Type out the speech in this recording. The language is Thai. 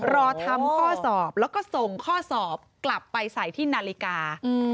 รอทำข้อสอบแล้วก็ส่งข้อสอบกลับไปใส่ที่นาฬิกา